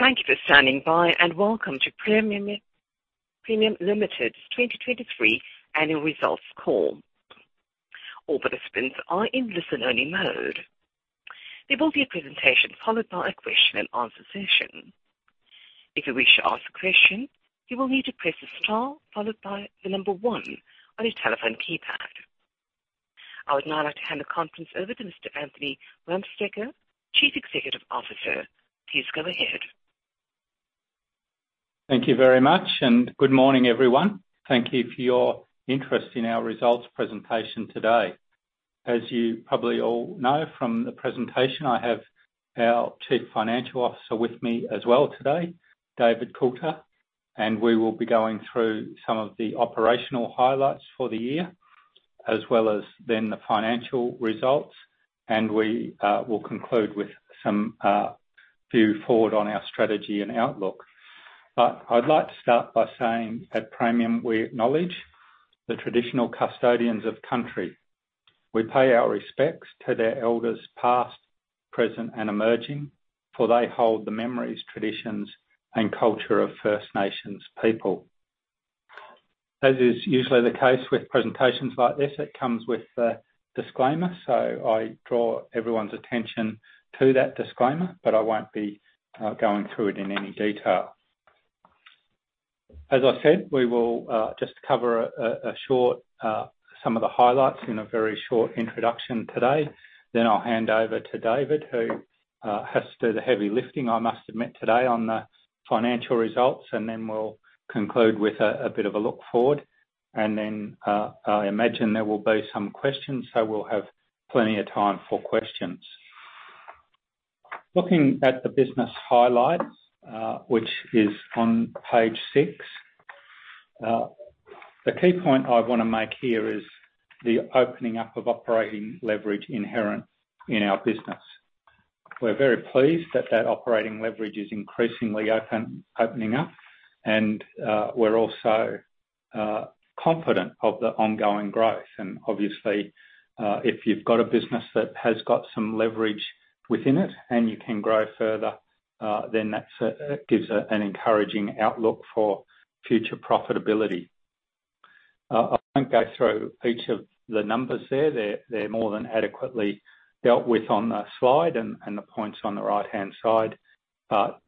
Thank you for standing by, and welcome to Praemium Limited's 2023 annual results call. All participants are in listen-only mode. There will be a presentation, followed by a question and answer session. If you wish to ask a question, you will need to press star followed by the number one on your telephone keypad. I would now like to hand the conference over to Mr. Anthony Wamsteker, Chief Executive Officer. Please go ahead. Thank you very much, and good morning, everyone. Thank you for your interest in our results presentation today. As you probably all know from the presentation, I have our Chief Financial Officer with me as well today, David Coulter, and we will be going through some of the operational highlights for the year, as well as then the financial results. And we will conclude with some view forward on our strategy and outlook. But I'd like to start by saying, at Praemium, we acknowledge the traditional custodians of Country. We pay our respects to their elders, past, present, and emerging, for they hold the memories, traditions, and culture of First Nations people. As is usually the case with presentations like this, it comes with a disclaimer, so I draw everyone's attention to that disclaimer, but I won't be going through it in any detail. As I said, we will just cover a short, some of the highlights in a very short introduction today. Then I'll hand over to David, who has to do the heavy lifting, I must admit, today on the financial results, and then we'll conclude with a bit of a look forward. And then, I imagine there will be some questions, so we'll have plenty of time for questions. Looking at the business highlights, which is on page six. The key point I wanna make here is the opening up of operating leverage inherent in our business. We're very pleased that that operating leverage is increasingly opening up, and we're also confident of the ongoing growth. And obviously, if you've got a business that has got some leverage within it, and you can grow further, then that gives an encouraging outlook for future profitability. I won't go through each of the numbers there. They're more than adequately dealt with on the slide and the points on the right-hand side. But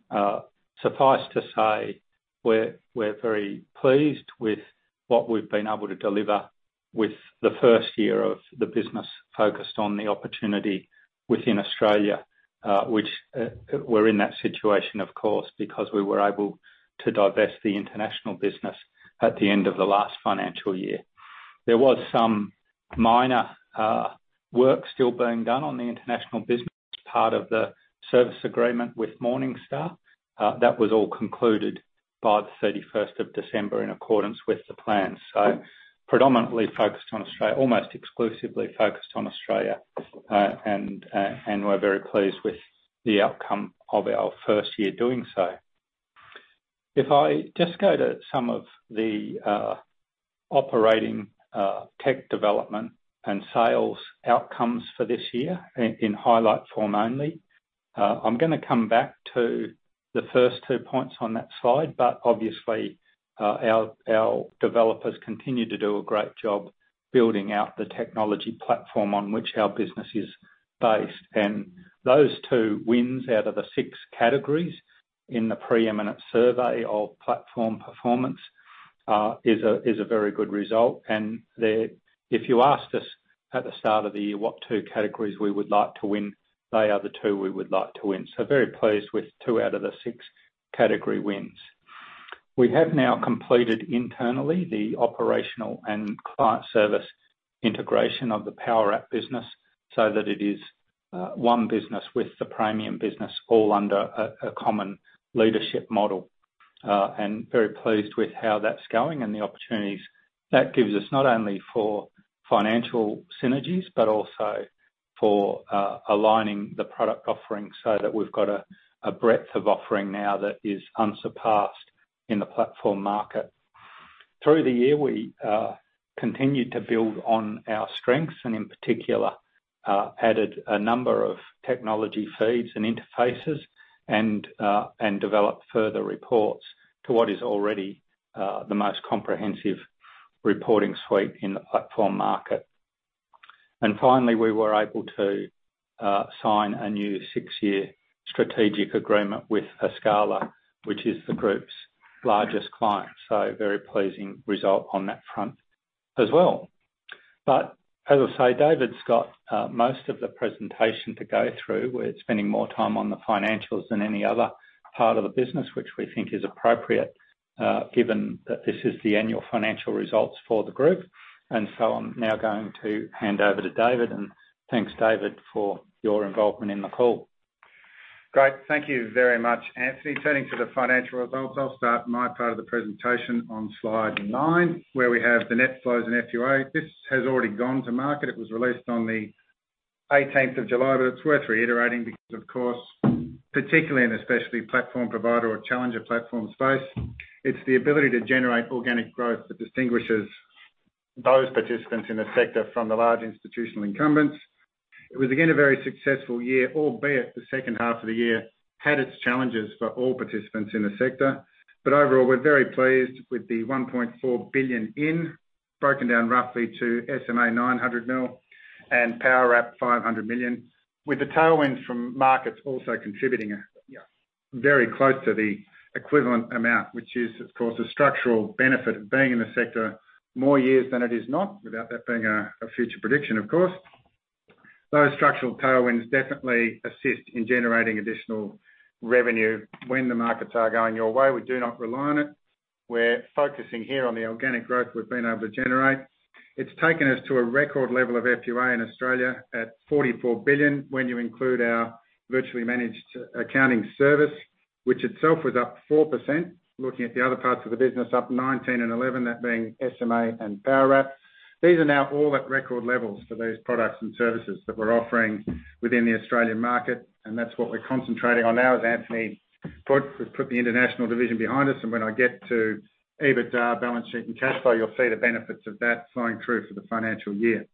suffice to say, we're very pleased with what we've been able to deliver with the first year of the business focused on the opportunity within Australia, which we're in that situation, of course, because we were able to divest the international business at the end of the last financial year. There was some minor work still being done on the international business part of the service agreement with Morningstar. That was all concluded by the 31 of December, in accordance with the plan. So predominantly focused on Australia, almost exclusively focused on Australia, and we're very pleased with the outcome of our first year doing so. If I just go to some of the operating tech development and sales outcomes for this year in highlight form only. I'm gonna come back to the first two points on that slide, but obviously, our developers continue to do a great job building out the technology platform on which our business is based. And those two wins out of the six categories in the pre-eminent survey of platform performance is a very good result. And if you asked us at the start of the year what two categories we would like to win, they are the two we would like to win. So very pleased with two out of the six category wins. We have now completed internally the operational and client service integration of the Powerwrap business, so that it is one business with the Praemium business, all under a common leadership model, and very pleased with how that's going and the opportunities that gives us, not only for financial synergies, but also for aligning the product offering so that we've got a breadth of offering now that is unsurpassed in the platform market. Through the year, we continued to build on our strengths and in particular added a number of technology feeds and interfaces, and developed further reports to what is already the most comprehensive reporting suite in the platform market. And finally, we were able to sign a new six-year strategic agreement with Escala, which is the group's largest client, so a very pleasing result on that front as well. But as I say, David's got most of the presentation to go through. We're spending more time on the financials than any other part of the business, which we think is appropriate, given that this is the annual financial results for the group. And so I'm now going to hand over to David, and thanks, David, for your involvement in the call. Great. Thank you very much, Anthony. Turning to the financial results, I'll start my part of the presentation on Slide nine, where we have the net flows and FUA. This has already gone to market. It was released on the 18th of July, but it's worth reiterating because, of course, particularly in a specialty platform provider or challenger platform space, it's the ability to generate organic growth that distinguishes those participants in the sector from the large institutional incumbents. It was, again, a very successful year, albeit the H2 of the year had its challenges for all participants in the sector. But overall, we're very pleased with the 1.4 billion in, broken down roughly to SMA 900 mil, and Powerwrap 500 million, with the tailwinds from markets also contributing a, you know, very close to the equivalent amount, which is, of course, a structural benefit of being in the sector more years than it is not, without that being a, a future prediction, of course. Those structural tailwinds definitely assist in generating additional revenue when the markets are going your way. We do not rely on it. We're focusing here on the organic growth we've been able to generate. It's taken us to a record level of FUA in Australia at 44 billion, when you include our Virtual Managed Account service, which itself was up 4%, looking at the other parts of the business, up 19 and 11, that being SMA and Powerwrap. These are now all at record levels for those products and services that we're offering within the Australian market, and that's what we're concentrating on now, as Anthony put. We've put the international division behind us, and when I get to EBITDA, balance sheet, and cash flow, you'll see the benefits of that flowing through for the financial year.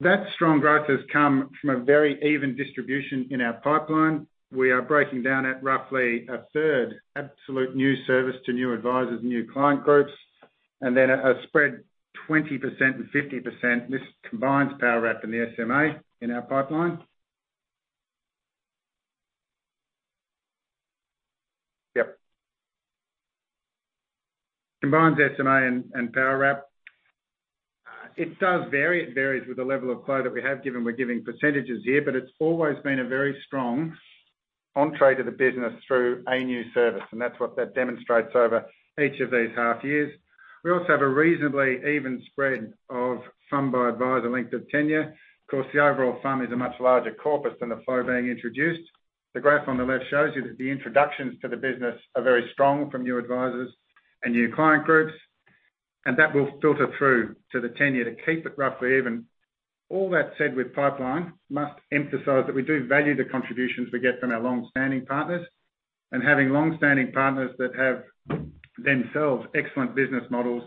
That strong growth has come from a very even distribution in our pipeline. We are breaking down at roughly a third, absolute new service to new advisors and new client groups, and then a spread 20% and 50%. This combines Powerwrap and the SMA in our pipeline. Yep. Combines SMA and Powerwrap. It does vary. It varies with the level of flow that we have given, we're giving percentages here, but it's always been a very strong entry to the business through a new service, and that's what that demonstrates over each of these half years. We also have a reasonably even spread of some by advisor length of tenure. Of course, the overall firm is a much larger corpus than the flow being introduced. The graph on the left shows you that the introductions to the business are very strong from new advisors and new client groups, and that will filter through to the tenure to keep it roughly even. All that said with pipeline, must emphasize that we do value the contributions we get from our long-standing partners. And having long-standing partners that have themselves excellent business models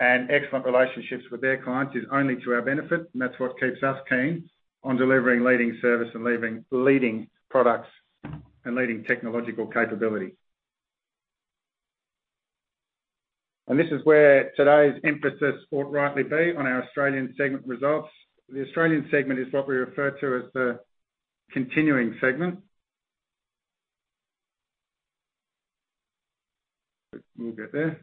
and excellent relationships with their clients is only to our benefit, and that's what keeps us keen on delivering leading service and leaving leading products and leading technological capability. And this is where today's emphasis ought rightly be, on our Australian segment results. The Australian segment is what we refer to as the continuing segment. But we'll get there.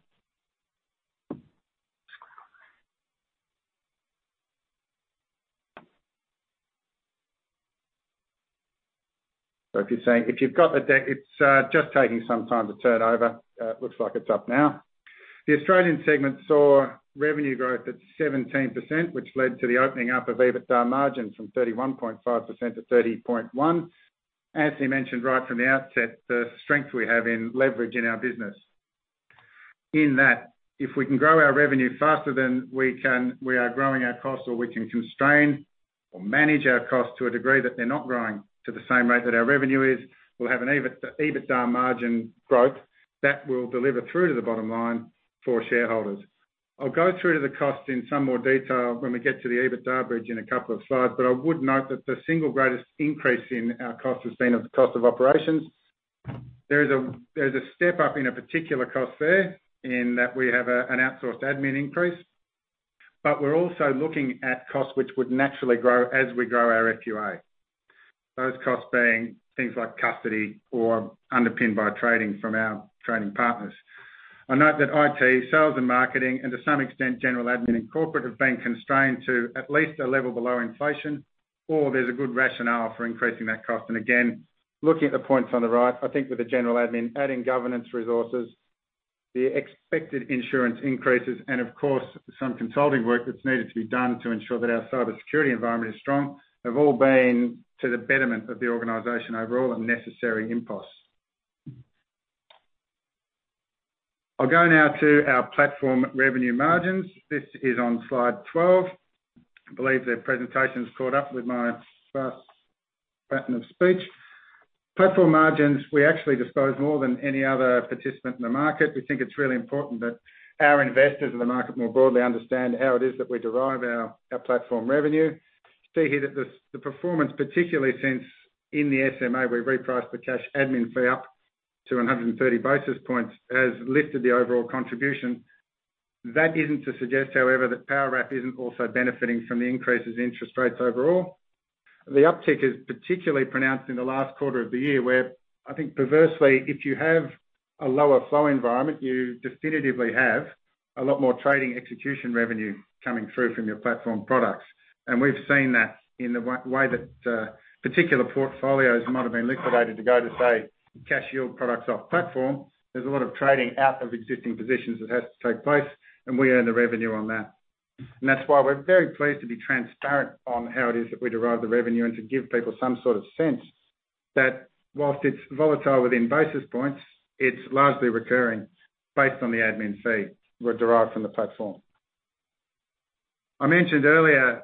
So if you're saying, if you've got the deck, it's just taking some time to turn over. It looks like it's up now. The Australian segment saw revenue growth at 17%, which led to the opening up of EBITDA margins from 31.5% to 30.1%. Anthony mentioned right from the outset, the strength we have in leverage in our business, in that if we can grow our revenue faster than we can... We are growing our costs, or we can constrain or manage our costs to a degree that they're not growing to the same rate that our revenue is, we'll have an EBITDA, EBITDA margin growth that will deliver through to the bottom line for shareholders. I'll go through to the costs in some more detail when we get to the EBITDA bridge in a couple of slides, but I would note that the single greatest increase in our cost has been of the cost of operations. There is a step up in a particular cost there, in that we have an outsourced admin increase, but we're also looking at costs which would naturally grow as we grow our FUA. Those costs being things like custody or underpinned by trading from our trading partners. I note that IT, sales and marketing, and to some extent, general admin and corporate, have been constrained to at least a level below inflation, or there's a good rationale for increasing that cost. And again, looking at the points on the right, I think with the general admin, adding governance resources, the expected insurance increases, and of course, some consulting work that's needed to be done to ensure that our cybersecurity environment is strong, have all been to the betterment of the organization overall, and necessary impulse. I'll go now to our platform revenue margins. This is on slide 12. I believe the presentation's caught up with my fast pattern of speech. Platform margins, we actually disclose more than any other participant in the market. We think it's really important that our investors, and the market more broadly, understand how it is that we derive our, our platform revenue. See here that the performance, particularly since in the SMA, we repriced the cash admin fee up to 130 basis points, has lifted the overall contribution. That isn't to suggest, however, that Powerwrap isn't also benefiting from the increases in interest rates overall. The uptick is particularly pronounced in the last quarter of the year, where I think perversely, if you have a lower flow environment, you definitively have a lot more trading execution revenue coming through from your platform products. And we've seen that in the way that, particular portfolios might have been liquidated to go to, say, cash yield products off platform. There's a lot of trading out of existing positions that has to take place, and we earn the revenue on that. And that's why we're very pleased to be transparent on how it is that we derive the revenue, and to give people some sort of sense that while it's volatile within basis points, it's largely recurring based on the admin fee, were derived from the platform.... I mentioned earlier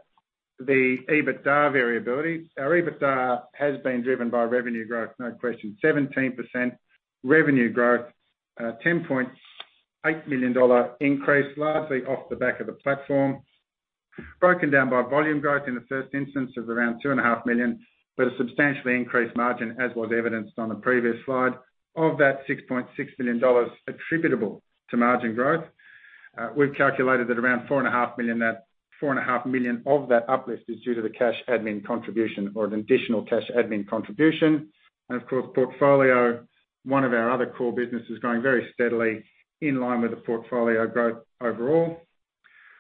the EBITDA variability. Our EBITDA has been driven by revenue growth, no question. 17% revenue growth, 10.8 million dollar increase, largely off the back of the platform. Broken down by volume growth in the first instance of around 2.5 million, but a substantially increased margin, as was evidenced on the previous slide. Of that 6.6 billion dollars attributable to margin growth, we've calculated that around 4.5 million of that uplift is due to the cash admin contribution or an additional cash admin contribution. And of course, portfolio, one of our other core businesses, growing very steadily in line with the portfolio growth overall.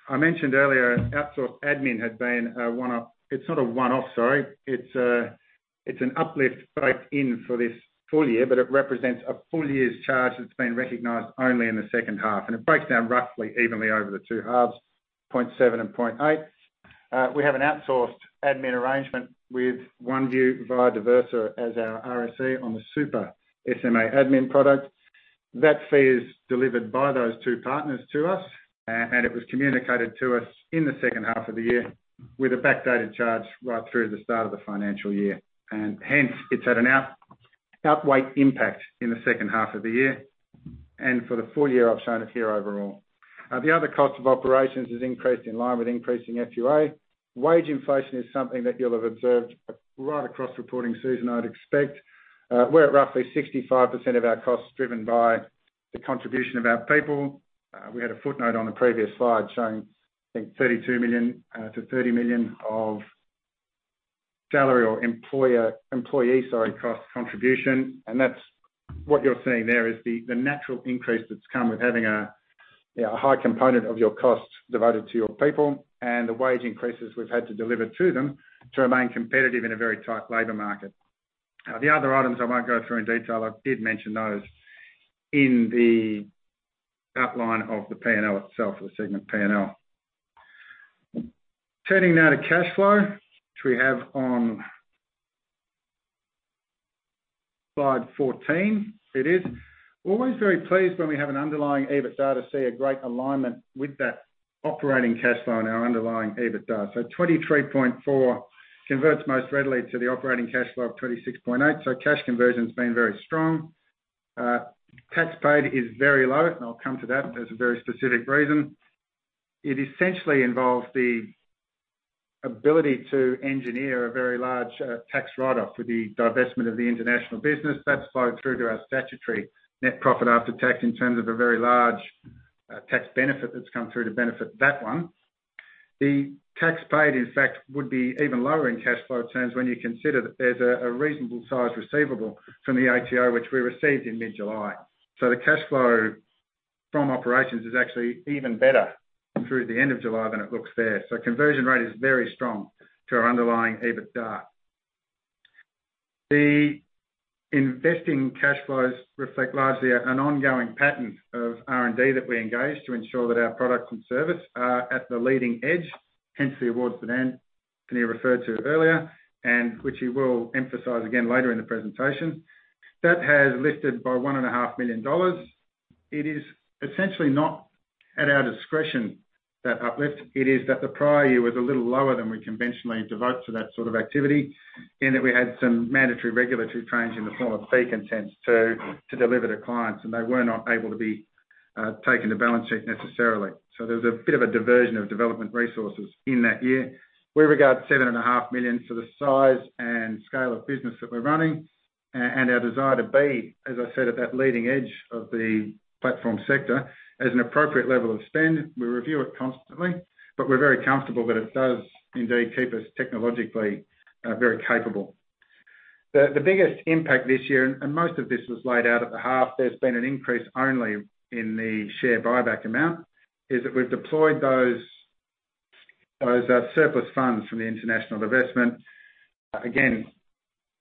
I mentioned earlier, outsourced admin had been one-off. It's not a one-off, sorry. It's an uplift both in for this full year, but it represents a full year's charge that's been recognized only in the second half, and it breaks down roughly evenly over the two halves, 0.7 million and 0.8 million. We have an outsourced admin arrangement with OneVue via Diversa as our RSE on the SuperSMA admin product. That fee is delivered by those two partners to us, and it was communicated to us in the second half of the year with a backdated charge right through the start of the financial year. And hence, it's had an outweigh impact in the H2 of the year. For the full year, I've shown it here overall. The other cost of operations has increased in line with increasing FUA. Wage inflation is something that you'll have observed right across reporting season, I'd expect. We're at roughly 65% of our costs, driven by the contribution of our people. We had a footnote on the previous slide showing, I think, 32 million to 30 million of salary or employer, employee, sorry, cost contribution. And that's what you're seeing there, is the natural increase that's come with having a high component of your costs devoted to your people, and the wage increases we've had to deliver to them to remain competitive in a very tight labor market. The other items, I won't go through in detail. I did mention those in the outline of the P&L itself, or the segment P&L. Turning now to cash flow, which we have on slide 14. It is always very pleased when we have an underlying EBITDA, to see a great alignment with that operating cash flow in our underlying EBITDA. So 23.4 converts most readily to the operating cash flow of 36.8, so cash conversion's been very strong. Tax paid is very low, and I'll come to that. There's a very specific reason. It essentially involves the ability to engineer a very large tax write-off for the divestment of the international business. That's flowed through to our statutory net profit after tax in terms of a very large tax benefit that's come through to benefit that one. The tax paid, in fact, would be even lower in cash flow terms when you consider that there's a reasonable size receivable from the ATO, which we received in mid-July. So the cash flow from operations is actually even better through the end of July than it looks there. So conversion rate is very strong to our underlying EBITDA. The investing cash flows reflect largely an ongoing pattern of R&D that we engage to ensure that our products and service are at the leading edge, hence the awards that Anthony referred to earlier, and which he will emphasize again later in the presentation. That has lifted by 1.5 million dollars. It is essentially not at our discretion, that uplift. It is that the prior year was a little lower than we conventionally devote to that sort of activity, in that we had some mandatory regulatory changes in the form of fee consents to deliver to clients, and they were not able to be taken to balance sheet necessarily. So there was a bit of a diversion of development resources in that year. We regard 7.5 million for the size and scale of business that we're running, and our desire to be, as I said, at that leading edge of the platform sector, as an appropriate level of spend. We review it constantly, but we're very comfortable that it does indeed keep us technologically very capable. The biggest impact this year, and most of this was laid out at the half, there's been an increase only in the share buyback amount, is that we've deployed those surplus funds from the international divestment, again,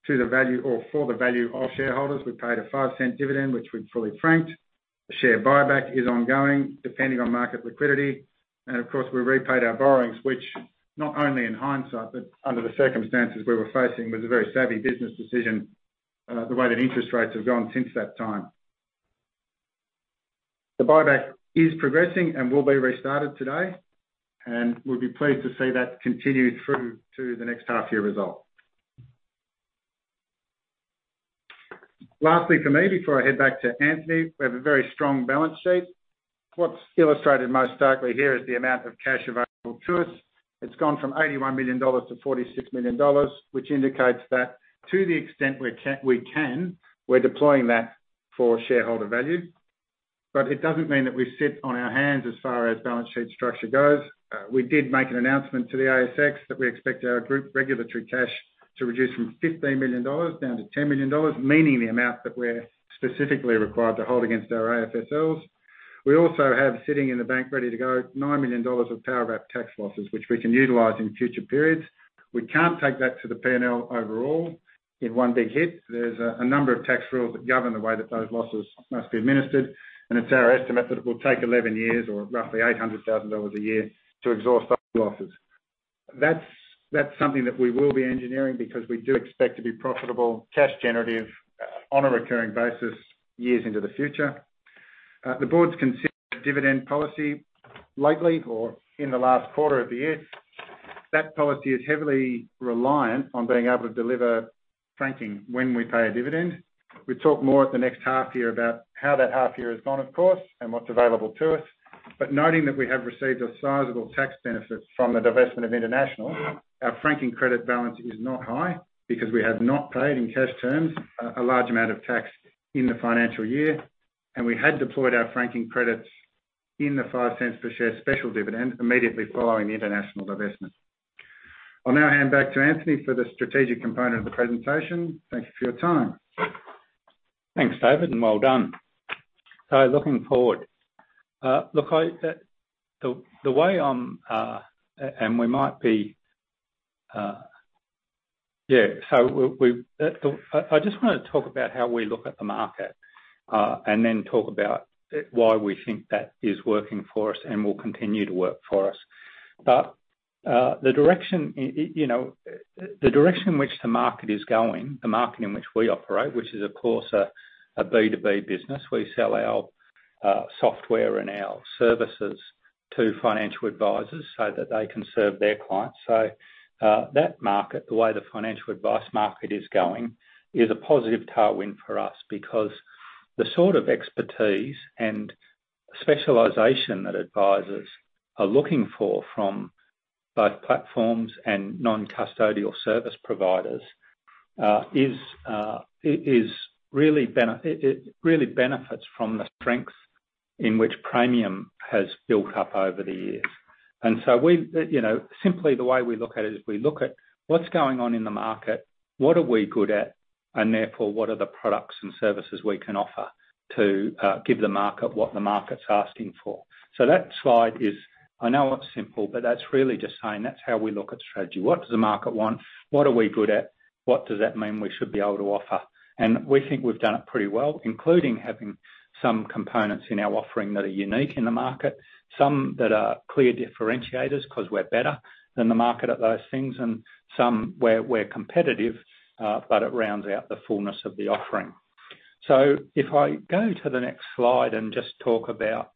to the value or for the value of shareholders. We paid a 0.05 dividend, which we've fully franked. The share buyback is ongoing, depending on market liquidity. Of course, we repaid our borrowings, which not only in hindsight, but under the circumstances we were facing, was a very savvy business decision, the way that interest rates have gone since that time. The buyback is progressing and will be restarted today, and we'll be pleased to see that continued through to the next half year result. Lastly, for me, before I head back to Anthony, we have a very strong balance sheet. What's illustrated most starkly here is the amount of cash available to us. It's gone from 81 million dollars to 46 million dollars, which indicates that to the extent we can, we're deploying that for shareholder value. But it doesn't mean that we sit on our hands as far as balance sheet structure goes. We did make an announcement to the ASX that we expect our group regulatory cash to reduce from 15 million dollars down to 10 million dollars, meaning the amount that we're specifically required to hold against our AFSLs. We also have, sitting in the bank ready to go, 9 million dollars of Powerwrap tax losses, which we can utilize in future periods. We can't take that to the P&L overall in one big hit. There's a number of tax rules that govern the way that those losses must be administered, and it's our estimate that it will take 11 years or roughly 800,000 dollars a year to exhaust those losses. That's something that we will be engineering because we do expect to be profitable, cash generative, on a recurring basis, years into the future. The board's considered dividend policy lately or in the last quarter of the year. That policy is heavily reliant on being able to deliver franking when we pay a dividend. We talk more at the next half year about how that half year has gone, of course, and what's available to us. But noting that we have received a sizable tax benefit from the divestment of international, our franking credit balance is not high, because we have not paid in cash terms, a large amount of tax in the financial year, and we had deployed our franking credits in the 0.05 per share special dividend immediately following the international divestment. I'll now hand back to Anthony for the strategic component of the presentation. Thank you for your time. Thanks, David, and well done. So looking forward. Look, the way I'm-- And we might be... Yeah, so we, I just wanna talk about how we look at the market, and then talk about why we think that is working for us and will continue to work for us. But, the direction, you know, the direction in which the market is going, the market in which we operate, which is of course, a B2B business. We sell our software and our services to financial advisors so that they can serve their clients. So, that market, the way the financial advice market is going, is a positive tailwind for us. Because the sort of expertise and specialization that advisors are looking for from both platforms and non-custodial service providers is really, it really benefits from the strength in which Praemium has built up over the years. And so we, you know, simply the way we look at it is, we look at what's going on in the market, what are we good at? And therefore, what are the products and services we can offer to give the market what the market's asking for? So that slide is... I know it's simple, but that's really just saying that's how we look at strategy. What does the market want? What are we good at? What does that mean we should be able to offer? And we think we've done it pretty well, including having some components in our offering that are unique in the market. Some that are clear differentiators, 'cause we're better than the market at those things, and some where we're competitive, but it rounds out the fullness of the offering. So if I go to the next slide and just talk about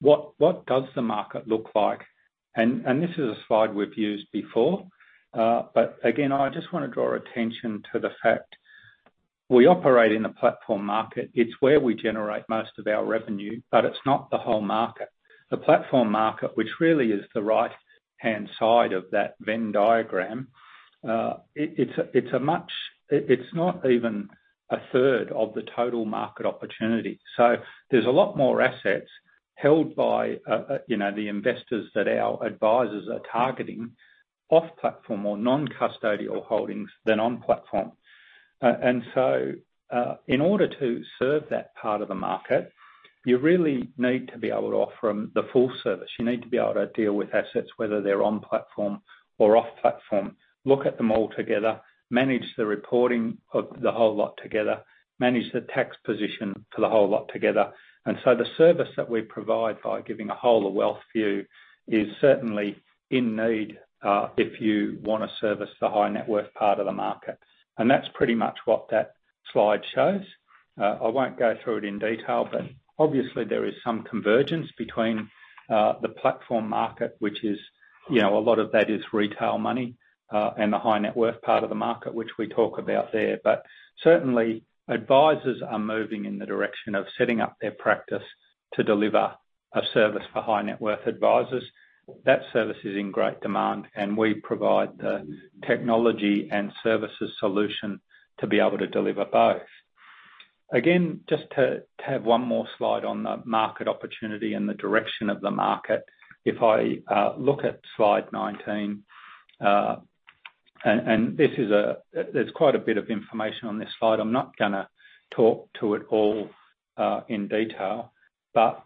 what does the market look like? And this is a slide we've used before, but again, I just wanna draw attention to the fact we operate in a platform market. It's where we generate most of our revenue, but it's not the whole market. The platform market, which really is the right-hand side of that Venn diagram, it's a much... It's not even a third of the total market opportunity. So there's a lot more assets held by, you know, the investors that our advisors are targeting, off platform or non-custodial holdings than on platform. And so, in order to serve that part of the market, you really need to be able to offer them the full service. You need to be able to deal with assets, whether they're on platform or off platform, look at them all together, manage the reporting of the whole lot together, manage the tax position for the whole lot together. And so the service that we provide by giving a whole the wealth view, is certainly in need, if you wanna service the high net worth part of the market. And that's pretty much what that slide shows. I won't go through it in detail, but obviously there is some convergence between the platform market, which is, you know, a lot of that is retail money, and the high net worth part of the market, which we talk about there. But certainly, advisors are moving in the direction of setting up their practice to deliver a service for high net worth advisors. That service is in great demand, and we provide the technology and services solution to be able to deliver both. Again, just to have one more slide on the market opportunity and the direction of the market. If I look at slide 19, and this is a. There's quite a bit of information on this slide. I'm not gonna talk to it all in detail.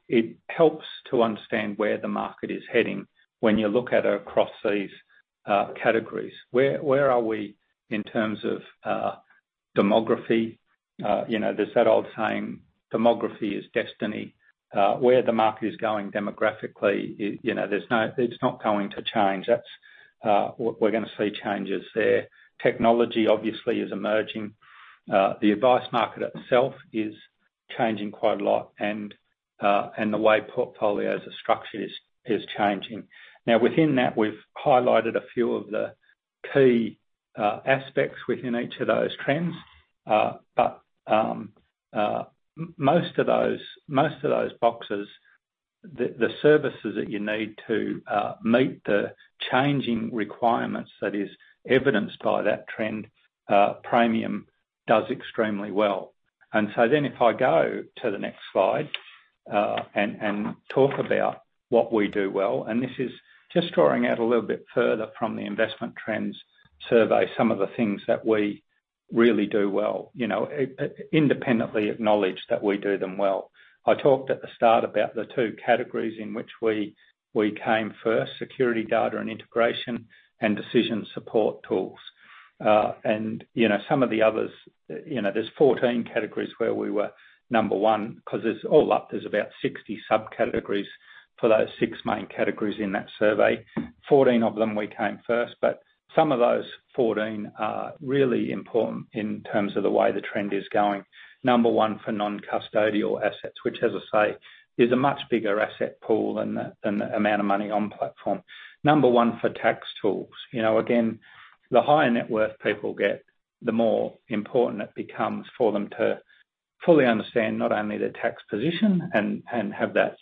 It helps to understand where the market is heading, when you look at it across these categories. Where, where are we in terms of demography? You know, there's that old saying, "Demography is destiny." Where the market is going demographically, you know, it's not going to change. That's, we're gonna see changes there. Technology, obviously, is emerging. The advice market itself is changing quite a lot and the way portfolios are structured is changing. Now, within that, we've highlighted a few of the key aspects within each of those trends. Most of those, most of those boxes, the services that you need to meet the changing requirements that is evidenced by that trend, Praemium does extremely well. So then if I go to the next slide, and talk about what we do well, and this is just drawing out a little bit further from the Investment Trends survey, some of the things that we really do well. You know, independently acknowledge that we do them well. I talked at the start about the two categories in which we, we came first, security, data, and integration, and decision support tools... And, you know, some of the others, you know, there's 14 categories where we were number one, 'cause there's all up, there's about 60 subcategories for those six main categories in that survey. 14 of them we came first, but some of those 14 are really important in terms of the way the trend is going. Number one, for non-custodial assets, which, as I say, is a much bigger asset pool than the, than the amount of money on platform. Number one, for tax tools. You know, again, the higher net worth people get, the more important it becomes for them to fully understand not only their tax position and, and have that,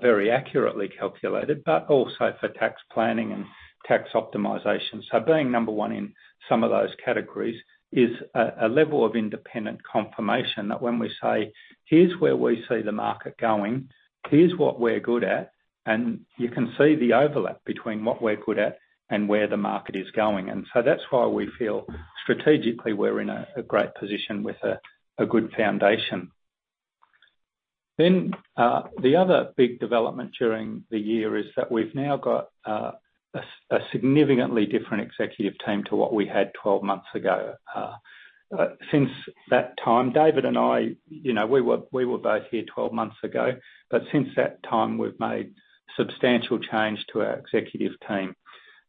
very accurately calculated, but also for tax planning and tax optimization. So being number one in some of those categories is a, a level of independent confirmation that when we say, "Here's where we see the market going, here's what we're good at," and you can see the overlap between what we're good at and where the market is going. And so that's why we feel strategically we're in a, a great position with a, a good foundation. Then, the other big development during the year is that we've now got a significantly different executive team to what we had 12 months ago. Since that time, David and I, you know, we were both here 12 months ago, but since that time, we've made substantial change to our executive team.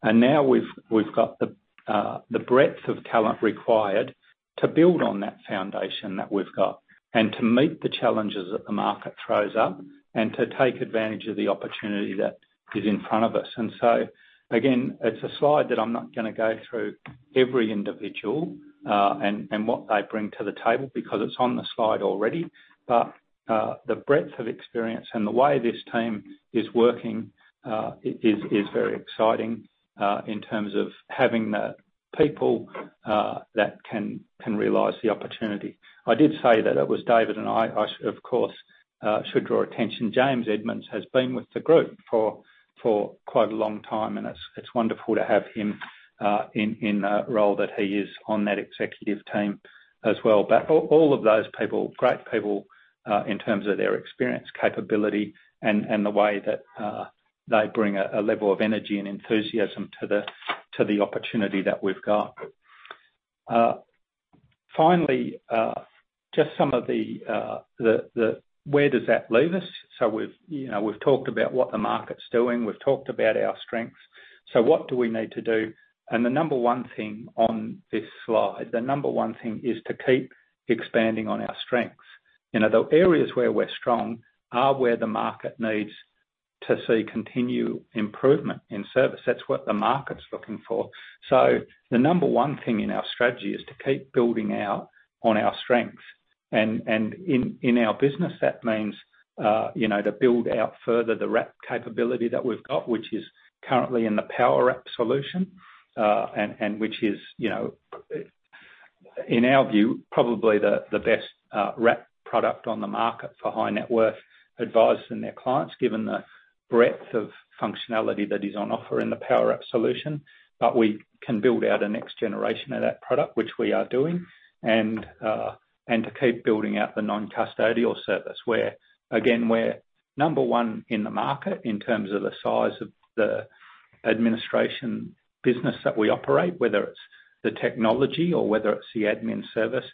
And now we've got the breadth of talent required to build on that foundation that we've got, and to meet the challenges that the market throws up, and to take advantage of the opportunity that is in front of us. Again, it's a slide that I'm not gonna go through every individual and what they bring to the table because it's on the slide already, but the breadth of experience and the way this team is working is very exciting in terms of having the people that can realize the opportunity. I did say that it was David and I. I, of course, should draw attention, James Edmonds has been with the group for quite a long time, and it's wonderful to have him in a role that he is on that executive team as well. But all of those people, great people in terms of their experience, capability, and the way that they bring a level of energy and enthusiasm to the opportunity that we've got. Finally, where does that leave us? So we've, you know, we've talked about what the market's doing, we've talked about our strengths, so what do we need to do? And the number one thing on this slide, the number one thing, is to keep expanding on our strengths. You know, the areas where we're strong are where the market needs to see continued improvement in service. That's what the market's looking for. So the number one thing in our strategy is to keep building out on our strengths. In our business, that means, you know, to build out further the wrap capability that we've got, which is currently in the Powerwrap solution, and which is, you know, in our view, probably the best wrap product on the market for high net worth advisors and their clients, given the breadth of functionality that is on offer in the Powerwrap solution. But we can build out a next generation of that product, which we are doing, and to keep building out the non-custodial service, where, again, we're number one in the market in terms of the size of the administration business that we operate, whether it's the technology or whether it's the admin service.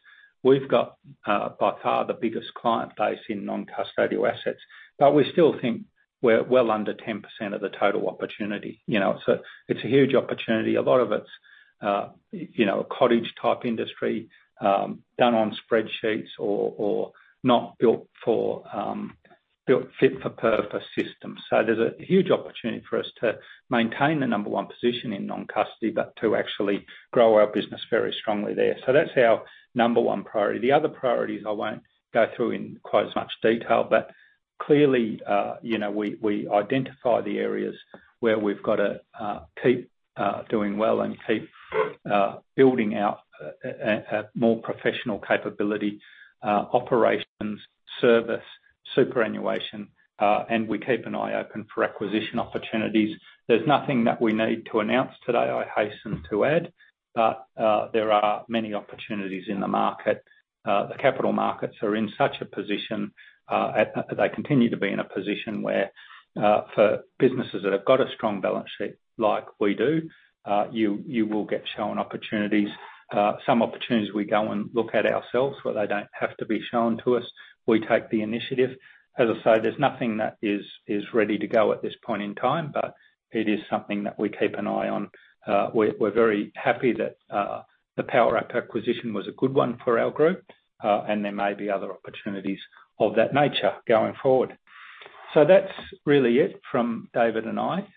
We've got, by far, the biggest client base in non-custodial assets, but we still think we're well under 10% of the total opportunity. You know, so it's a huge opportunity. A lot of it's, you know, a cottage-type industry, done on spreadsheets or not built for built fit for purpose systems. So there's a huge opportunity for us to maintain the number one position in non-custody, but to actually grow our business very strongly there. So that's our number one priority. The other priorities, I won't go through in quite as much detail, but clearly, you know, we identify the areas where we've got to keep doing well and keep building out a more professional capability, operations, service, superannuation, and we keep an eye open for acquisition opportunities. There's nothing that we need to announce today, I hasten to add, but there are many opportunities in the market. The capital markets are in such a position. They continue to be in a position where, for businesses that have got a strong balance sheet like we do, you will get shown opportunities. Some opportunities we go and look at ourselves, where they don't have to be shown to us. We take the initiative. As I say, there's nothing that is ready to go at this point in time, but it is something that we keep an eye on. We're very happy that the Powerwrap acquisition was a good one for our group, and there may be other opportunities of that nature going forward. So that's really it from David and I.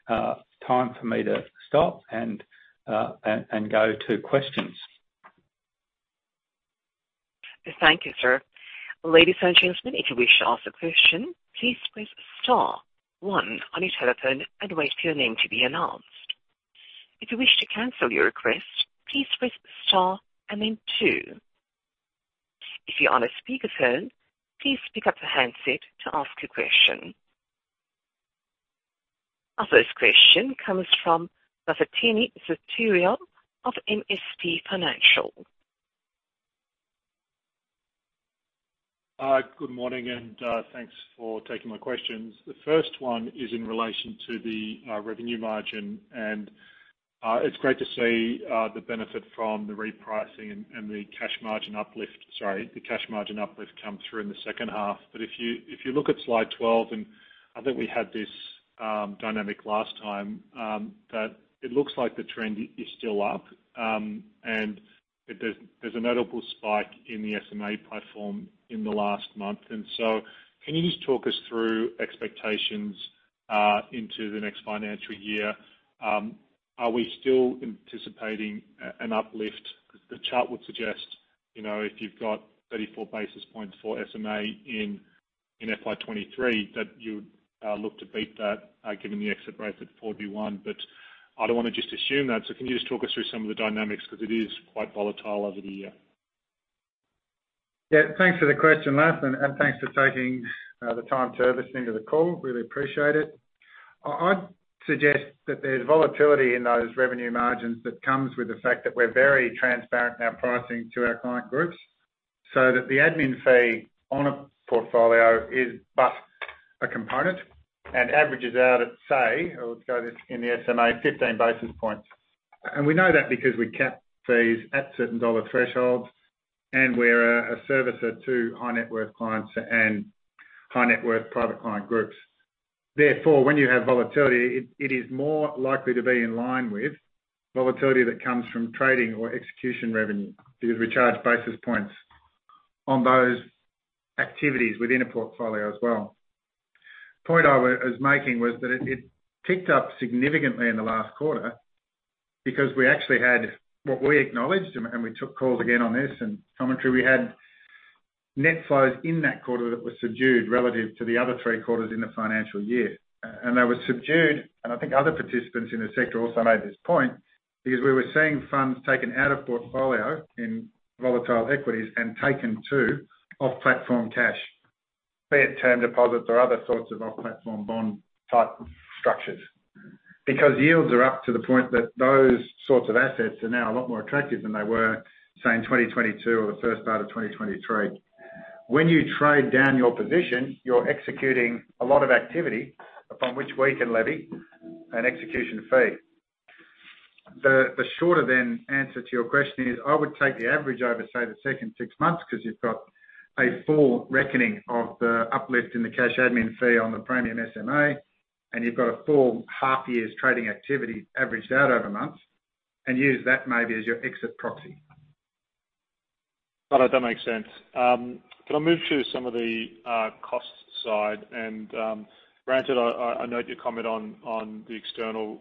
Time for me to stop and go to questions. Thank you, sir. Ladies and gentlemen, if you wish to ask a question, please press star one on your telephone and wait for your name to be announced. If you wish to cancel your request, please press star and then two. If you're on a speakerphone, please pick up the handset to ask your question. Our first question comes from Lafitani Sotiriou of MST Financial. ... Good morning, and thanks for taking my questions. The first one is in relation to the revenue margin, and it's great to see the benefit from the repricing and the cash margin uplift - sorry, the cash margin uplift come through in the H2. But if you look at slide 12, and I think we had this dynamic last time, that it looks like the trend is still up, and there's a notable spike in the SMA platform in the last month. And so can you just talk us through expectations into the next financial year? Are we still anticipating an uplift? The chart would suggest, you know, if you've got 34 basis points for SMA in FY 2023, that you look to beat that, given the exit rate at 41. I don't want to just assume that, so can you just talk us through some of the dynamics because it is quite volatile over the year. Yeah, thanks for the question, Laf, and thanks for taking the time to listen to the call. Really appreciate it. I'd suggest that there's volatility in those revenue margins that comes with the fact that we're very transparent in our pricing to our client groups, so that the admin fee on a portfolio is but a component and averages out at, say, or let's go this in the SMA, 15 basis points. And we know that because we cap fees at certain dollar thresholds, and we're a servicer to high net worth clients and high net worth private client groups. Therefore, when you have volatility, it is more likely to be in line with volatility that comes from trading or execution revenue, because we charge basis points on those activities within a portfolio as well. The point I was making was that it ticked up significantly in the last quarter because we actually had what we acknowledged, and we took calls again on this and commentary. We had net flows in that quarter that were subdued relative to the other three quarters in the financial year. They were subdued, and I think other participants in the sector also made this point, because we were seeing funds taken out of portfolio in volatile equities and taken to off-platform cash, be it term deposits or other sorts of off-platform bond-type structures. Because yields are up to the point that those sorts of assets are now a lot more attractive than they were, say, in 2022 or the first part of 2023. When you trade down your position, you're executing a lot of activity upon which we can levy an execution fee. The shorter-term answer to your question is, I would take the average over, say, the second six months, 'cause you've got a full reckoning of the uplift in the cash admin fee on the Praemium SMA, and you've got a full half year's trading activity averaged out over months, and use that maybe as your exit proxy. Got it. That makes sense. Can I move to some of the cost side? And granted, I note your comment on the external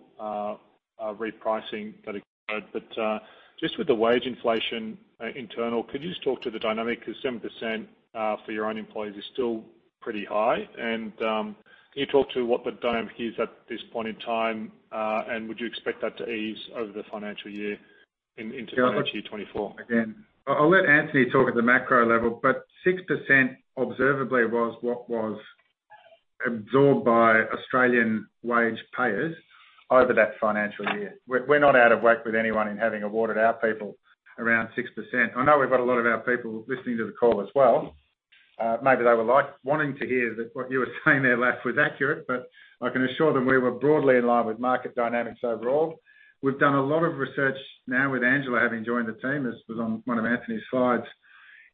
repricing that occurred, but just with the wage inflation, internal, could you just talk to the dynamic? 'Cause 7% for your own employees is still pretty high. And can you talk to what the dynamic is at this point in time, and would you expect that to ease over the financial year into 2024? Again, I, I'll let Anthony talk at the macro level, but 6% observably was what was absorbed by Australian wage payers over that financial year. We're, we're not out of work with anyone in having awarded our people around 6%. I know we've got a lot of our people listening to the call as well. Maybe they would like wanting to hear that what you were saying there, Laf, was accurate, but I can assure them we were broadly in line with market dynamics overall. We've done a lot of research now with Angela having joined the team, as was on one of Anthony's slides,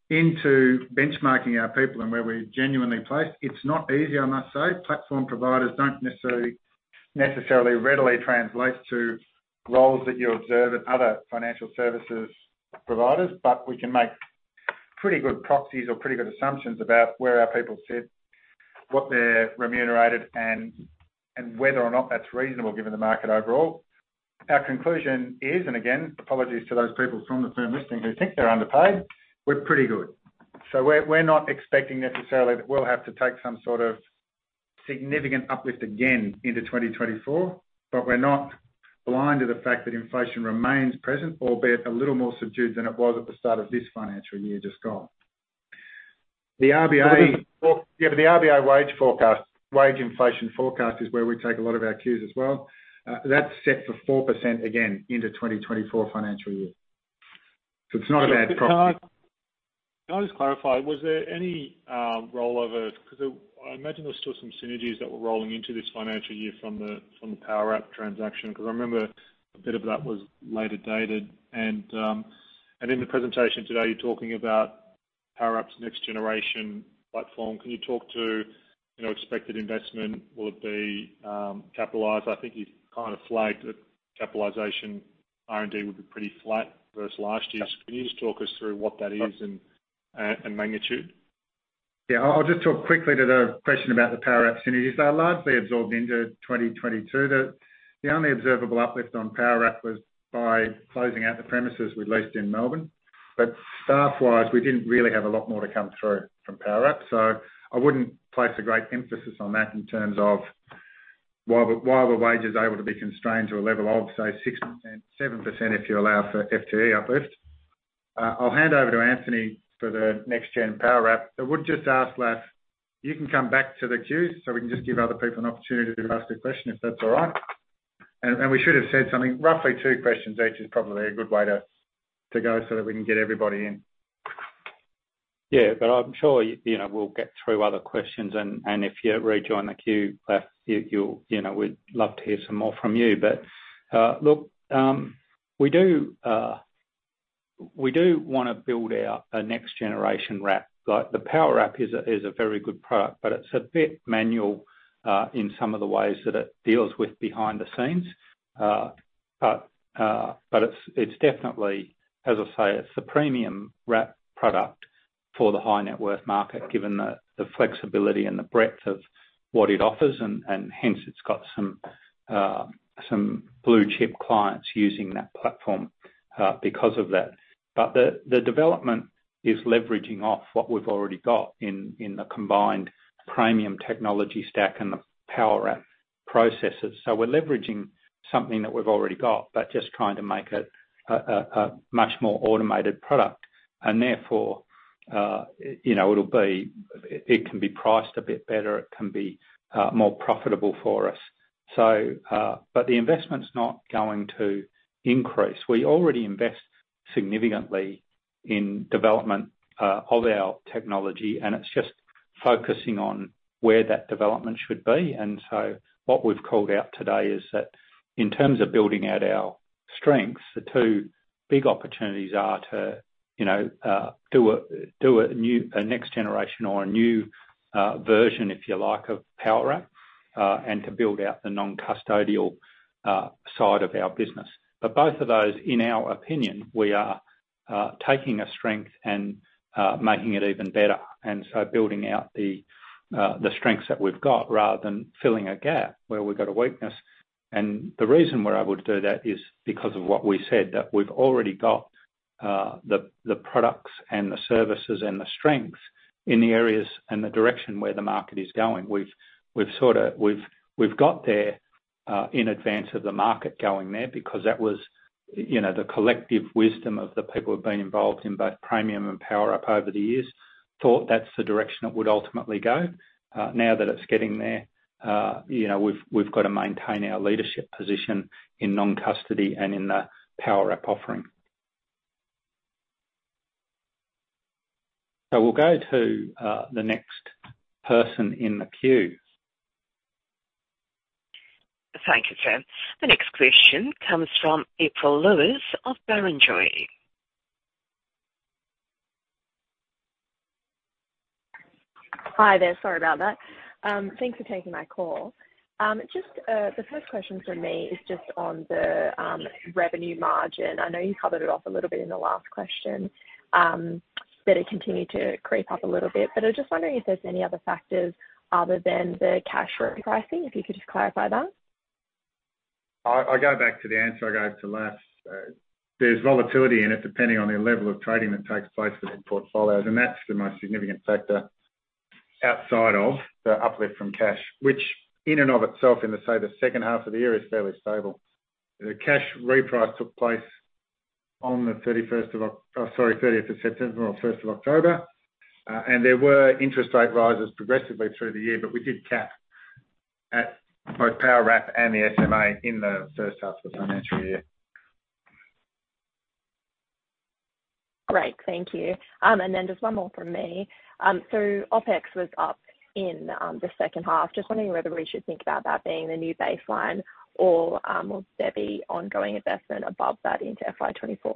into benchmarking our people and where we're genuinely placed. It's not easy, I must say. Platform providers don't necessarily readily translate to roles that you observe at other financial services providers, but we can make pretty good proxies or pretty good assumptions about where our people sit, what they're remunerated, and whether or not that's reasonable, given the market overall. Our conclusion is, and again, apologies to those people from the firm listening who think they're underpaid, we're pretty good. So we're not expecting necessarily that we'll have to take some sort of significant uplift again into 2024, but we're not blind to the fact that inflation remains present, albeit a little more subdued than it was at the start of this financial year just gone. The RBA- Well- Yeah, but the RBA wage forecast, wage inflation forecast is where we take a lot of our cues as well. That's set for 4% again in the 2024 financial year. So it's not a bad proxy. Can I just clarify, was there any rollover? 'Cause there I imagine there was still some synergies that were rolling into this financial year from the Powerwrap transaction. 'Cause I remember a bit of that was later dated. And in the presentation today, you're talking about Powerwrap's next generation platform. Can you talk to, you know, expected investment? Will it be capitalized? I think you've kind of flagged that capitalized R&D would be pretty flat versus last year. Can you just talk us through what that is and magnitude? Yeah. I'll just talk quickly to the question about the Powerwrap synergies. They are largely absorbed into 2022. The only observable uplift on Powerwrap was by closing out the premises we leased in Melbourne. But staff-wise, we didn't really have a lot more to come through from Powerwrap, so I wouldn't place a great emphasis on that in terms of while the wage is able to be constrained to a level of, say, 6%, 7%, if you allow for FTE uplift. I'll hand over to Anthony for the next-gen Powerwrap. I would just ask, Laf, you can come back to the queues, so we can just give other people an opportunity to ask a question, if that's all right?... We should have said something, roughly two questions each is probably a good way to go so that we can get everybody in. Yeah, but I'm sure, you know, we'll get through other questions, and if you rejoin the queue, you'll, you know, we'd love to hear some more from you. But look, we do wanna build out a next-generation wrap. Like, the Powerwrap is a very good product, but it's a bit manual in some of the ways that it deals with behind the scenes. But it's definitely, as I say, it's a premium wrap product for the high-net-worth market, given the flexibility and the breadth of what it offers, and hence, it's got some blue-chip clients using that platform because of that. But the development is leveraging off what we've already got in the combined premium technology stack and the Powerwrap processes. So we're leveraging something that we've already got, but just trying to make it a much more automated product. And therefore, you know, it'll be it can be priced a bit better, it can be more profitable for us. So but the investment's not going to increase. We already invest significantly in development of our technology, and it's just focusing on where that development should be. And so what we've called out today is that in terms of building out our strengths, the two big opportunities are to, you know, do a new a next generation or a new version, if you like, of Powerwrap, and to build out the non-custodial side of our business. But both of those, in our opinion, we are taking a strength and making it even better, and so building out the strengths that we've got, rather than filling a gap where we've got a weakness. And the reason we're able to do that is because of what we said, that we've already got the products and the services and the strengths in the areas and the direction where the market is going. We've sort of got there in advance of the market going there, because that was, you know, the collective wisdom of the people who've been involved in both Praemium and Powerwrap over the years, thought that's the direction it would ultimately go. Now that it's getting there, you know, we've got to maintain our leadership position in non-custody and in the Powerwrap offering. We'll go to the next person in the queue. Thank you, sir. The next question comes from April Lowis of Barrenjoey. Hi there. Sorry about that. Thanks for taking my call. Just, the first question from me is just on the, revenue margin. I know you covered it off a little bit in the last question, but it continued to creep up a little bit. But I was just wondering if there's any other factors other than the cash rate pricing, if you could just clarify that? I go back to the answer I gave to Lance. There's volatility in it, depending on the level of trading that takes place within portfolios, and that's the most significant factor outside of the uplift from cash, which in and of itself, in the, say, the second half of the year, is fairly stable. The cash reprice took place on the thirtieth of September or first of October. And there were interest rate rises progressively through the year, but we did cap at both Powerwrap and the SMA in the H1 of the financial year. Great. Thank you. And then just one more from me. So OpEx was up in the second half. Just wondering whether we should think about that being the new baseline or will there be ongoing investment above that into FY 2024?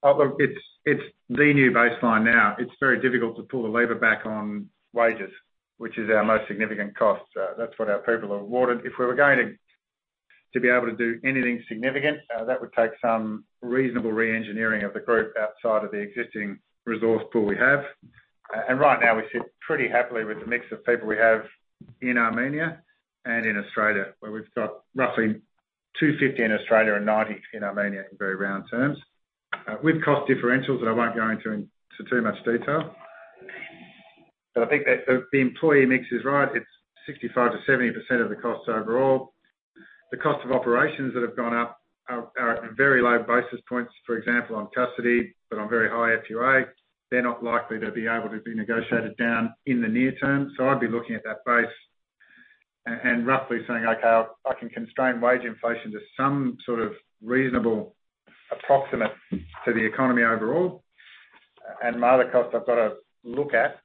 Oh, look, it's the new baseline now. It's very difficult to pull the lever back on wages, which is our most significant cost. That's what our people are awarded. If we were going to be able to do anything significant, that would take some reasonable re-engineering of the group outside of the existing resource pool we have. And right now, we sit pretty happily with the mix of people we have in Armenia and in Australia, where we've got roughly 250 in Australia and 90 in Armenia, in very round terms. With cost differentials that I won't go into too much detail, but I think that the employee mix is right. It's 65%-70% of the cost overall. The cost of operations that have gone up are very low basis points, for example, on custody, but on very high FUA, they're not likely to be able to be negotiated down in the near term. So I'd be looking at that base and roughly saying, "Okay, I can constrain wage inflation to some sort of reasonable approximate to the economy overall. And my other costs, I've got to look at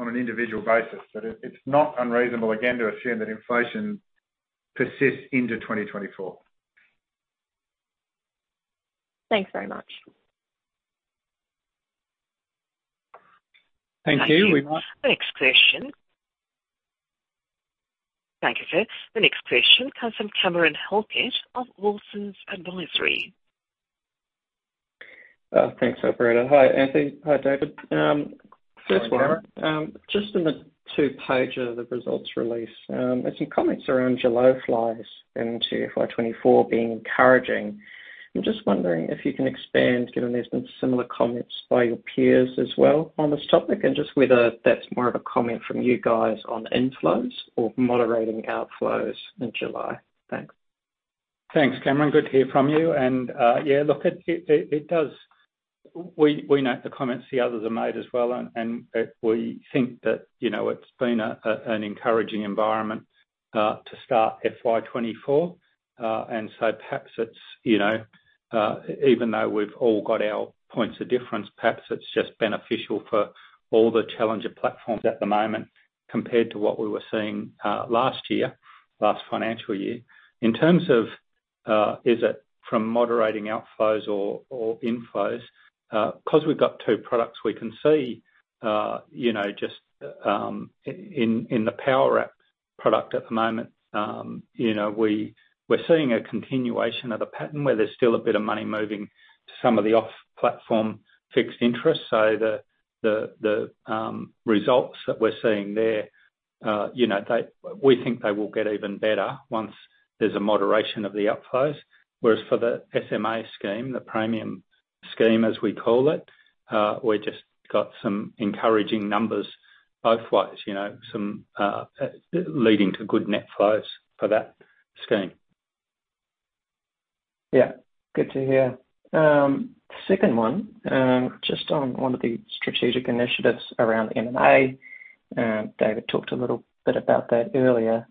on an individual basis." But it's not unreasonable, again, to assume that inflation persists into 2024. Thanks very much. Thank you. Thank you. The next question... Thank you, sir. The next question comes from Cameron Helget of Lawson Advisory. Thanks, operator. Hi, Anthony. Hi, David. First one, just in the two-pager, the results release, there's some comments around July flows into FY 2024 being encouraging. I'm just wondering if you can expand, given there's been similar comments by your peers as well on this topic, and just whether that's more of a comment from you guys on inflows or moderating outflows in July? Thanks.... Thanks, Cameron. Good to hear from you. And, yeah, look, it does. We note the comments the others have made as well, and, we think that, you know, it's been an encouraging environment to start FY 2024. And so perhaps it's, you know, even though we've all got our points of difference, perhaps it's just beneficial for all the challenger platforms at the moment compared to what we were seeing, last year, last financial year. In terms of, is it from moderating outflows or inflows? Because we've got two products, we can see, you know, just, in the Powerwrap product at the moment, you know, we're seeing a continuation of the pattern where there's still a bit of money moving to some of the off-platform fixed interest. So the results that we're seeing there, you know, they, we think they will get even better once there's a moderation of the outflows. Whereas for the SMA scheme, the premium scheme, as we call it, we just got some encouraging numbers both ways, you know, some leading to good net flows for that scheme. Yeah. Good to hear. Second one, just on one of the strategic initiatives around M&A. David talked a little bit about that earlier.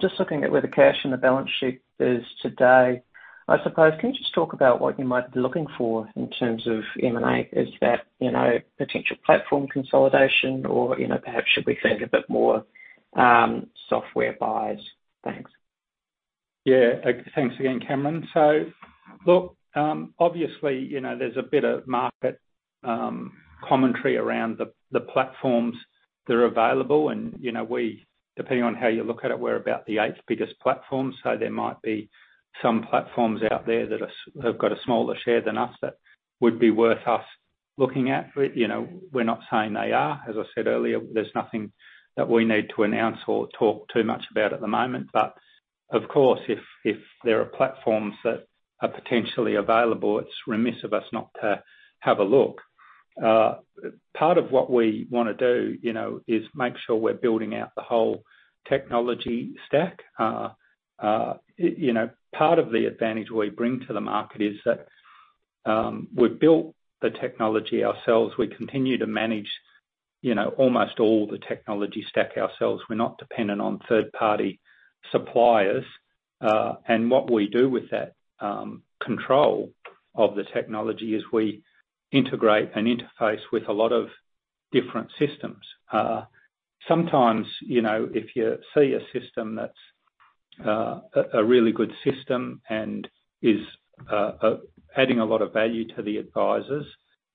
Just looking at where the cash on the balance sheet is today, I suppose, can you just talk about what you might be looking for in terms of M&A? Is that, you know, potential platform consolidation or, you know, perhaps should we see a bit more, software buys? Thanks. Yeah. Thanks again, Cameron. So look, obviously, you know, there's a bit of market commentary around the platforms that are available, and, you know, we, depending on how you look at it, we're about the eighth biggest platform. So there might be some platforms out there that have got a smaller share than us that would be worth us looking at. But, you know, we're not saying they are. As I said earlier, there's nothing that we need to announce or talk too much about at the moment, but of course, if there are platforms that are potentially available, it's remiss of us not to have a look. Part of what we wanna do, you know, is make sure we're building out the whole technology stack. You know, part of the advantage we bring to the market is that we've built the technology ourselves. We continue to manage, you know, almost all the technology stack ourselves. We're not dependent on third-party suppliers, and what we do with that control of the technology is we integrate and interface with a lot of different systems. Sometimes, you know, if you see a system that's a really good system and is adding a lot of value to the advisors,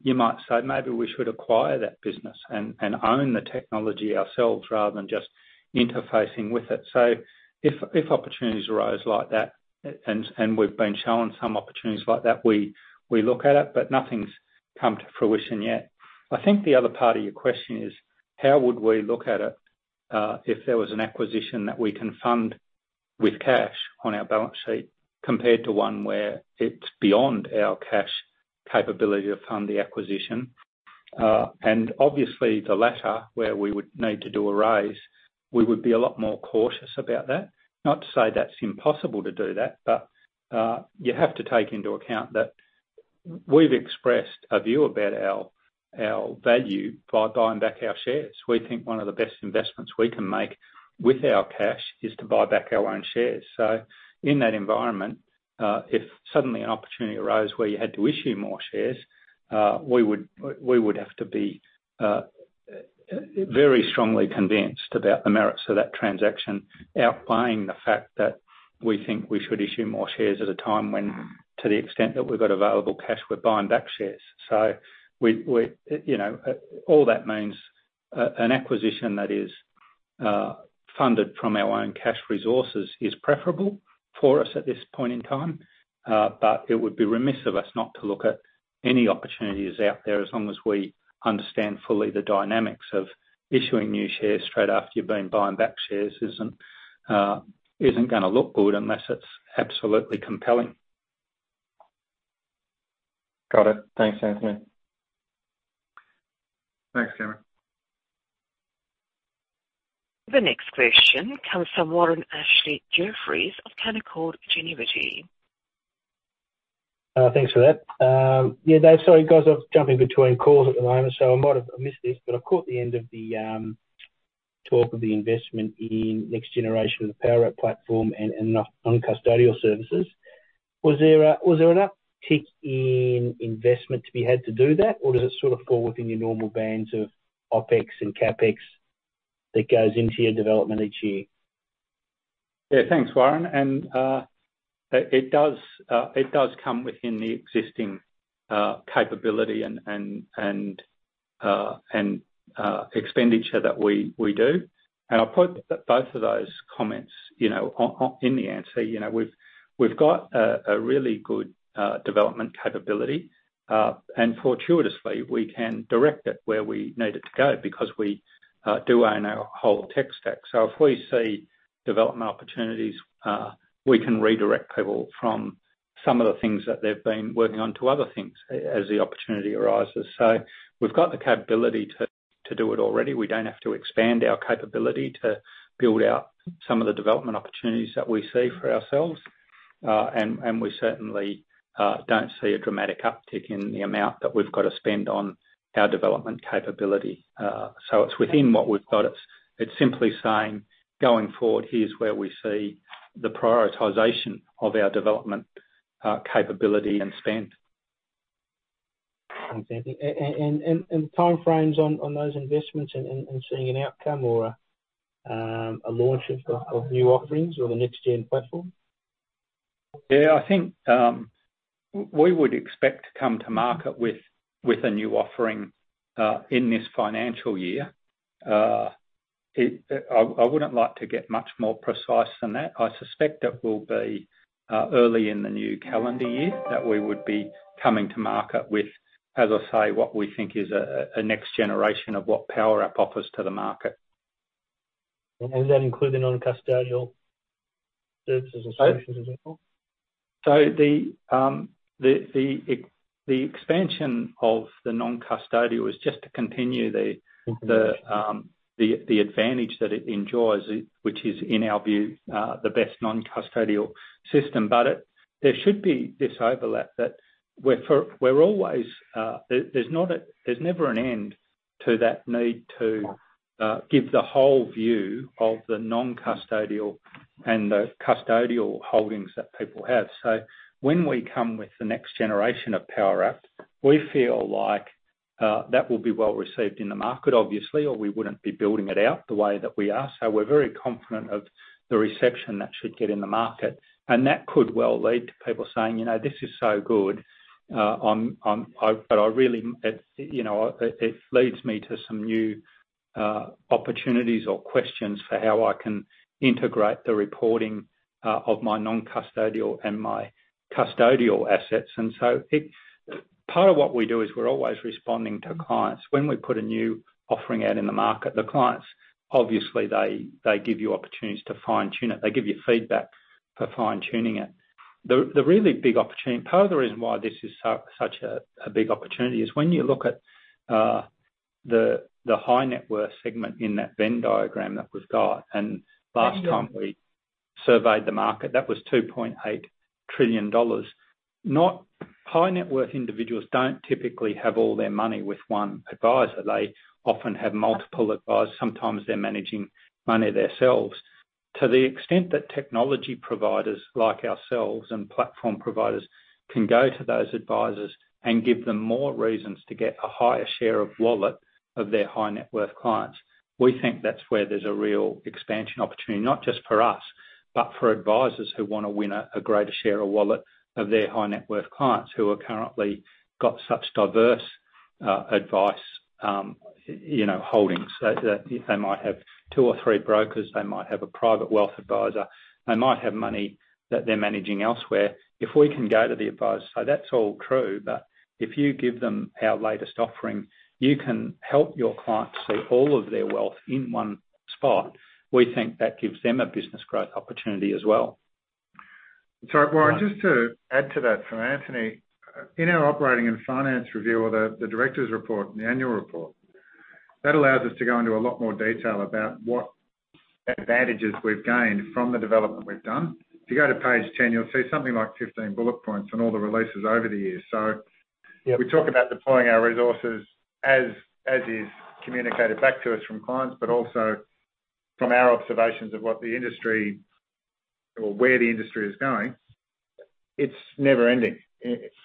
you might say, "Maybe we should acquire that business and own the technology ourselves rather than just interfacing with it." So if opportunities arise like that, and we've been shown some opportunities like that, we look at it, but nothing's come to fruition yet. I think the other part of your question is: How would we look at it, if there was an acquisition that we can fund with cash on our balance sheet compared to one where it's beyond our cash capability to fund the acquisition? And obviously, the latter, where we would need to do a raise, we would be a lot more cautious about that. Not to say that's impossible to do that, but, you have to take into account that we've expressed a view about our, our value by buying back our shares. We think one of the best investments we can make with our cash is to buy back our own shares. So in that environment, if suddenly an opportunity arose where you had to issue more shares, we would have to be very strongly convinced about the merits of that transaction, outweighing the fact that we think we should issue more shares at a time when, to the extent that we've got available cash, we're buying back shares. So... You know, all that means an acquisition that is funded from our own cash resources is preferable for us at this point in time, but it would be remiss of us not to look at any opportunities out there as long as we understand fully the dynamics of issuing new shares straight after you've been buying back shares isn't gonna look good unless it's absolutely compelling. Got it. Thanks, Anthony. Thanks, Cameron. The next question comes from Warren Ashley-Jeffries of Canaccord Genuity. Thanks for that. Yeah, Dave, sorry, guys, I'm jumping between calls at the moment, so I might have missed this, but I caught the end of the talk of the investment in next generation of the Powerwrap platform and and on custodial services. Was there enough tick in investment to be had to do that, or does it sort of fall within your normal bands of OpEx and CapEx that goes into your development each year? Yeah, thanks, Warren. And it does come within the existing capability and expenditure that we do. And I'll put both of those comments, you know, on in the answer. You know, we've got a really good development capability, and fortuitously, we can direct it where we need it to go because we do own our whole tech stack. So if we see development opportunities, we can redirect people from some of the things that they've been working on to other things as the opportunity arises. So we've got the capability to do it already. We don't have to expand our capability to build out some of the development opportunities that we see for ourselves. And we certainly don't see a dramatic uptick in the amount that we've got to spend on our development capability. So it's within what we've got. It's simply saying, "Going forward, here's where we see the prioritization of our development capability and spend. Thanks, Anthony. And timeframes on those investments, and seeing an outcome or a launch of new offerings or the next gen platform? Yeah, I think, we would expect to come to market with a new offering in this financial year. I wouldn't like to get much more precise than that. I suspect it will be early in the new calendar year that we would be coming to market with, as I say, what we think is a next generation of what Powerwrap offers to the market. Does that include the non-custodial services and solutions as well? So the expansion of the non-custodial is just to continue the- Mm-hmm ...the advantage that it enjoys, which is, in our view, the best non-custodial system. But there should be this overlap that we're always... There's never an end to that need to give the whole view of the non-custodial and the custodial holdings that people have. So when we come with the next generation of Powerwrap, we feel like that will be well received in the market, obviously, or we wouldn't be building it out the way that we are. So we're very confident of the reception that should get in the market. And that could well lead to people saying, "You know, this is so good, I'm, but I really, you know, it leads me to some new opportunities or questions for how I can integrate the reporting of my non-custodial and my custodial assets." And so, part of what we do is we're always responding to clients. When we put a new offering out in the market, the clients, obviously, they, they give you opportunities to fine-tune it. They give you feedback for fine-tuning it. The really big opportunity - part of the reason why this is such a big opportunity is when you look at the high net worth segment in that Venn diagram that we've got, and last time we surveyed the market, that was 2.8 trillion dollars. High net worth individuals don't typically have all their money with one advisor. They often have multiple advisors. Sometimes they're managing money themselves. To the extent that technology providers, like ourselves and platform providers, can go to those advisors and give them more reasons to get a higher share of wallet of their high net worth clients, we think that's where there's a real expansion opportunity, not just for us, but for advisors who wanna win a greater share of wallet of their high net worth clients who are currently got such diverse, advice, you know, holdings. So, that they might have two or three brokers, they might have a private wealth advisor, they might have money that they're managing elsewhere. If we can go to the advisor, so that's all true, but if you give them our latest offering, you can help your clients see all of their wealth in one spot. We think that gives them a business growth opportunity as well. Sorry, Warren, just to add to that from Anthony. In our operating and finance review, or the director's report and the annual report, that allows us to go into a lot more detail about what advantages we've gained from the development we've done. If you go to page 10, you'll see something like 15 bullet points on all the releases over the years. So- Yeah. We talk about deploying our resources as is communicated back to us from clients, but also from our observations of what the industry or where the industry is going, it's never ending.